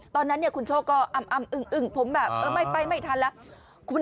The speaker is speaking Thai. ตอนนั้นคุณโชคก็อึ้มผมแบบไม่ถัดแล้ว